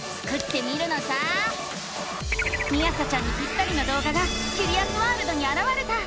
みあさちゃんにぴったりの動画がキュリアスワールドにあらわれた！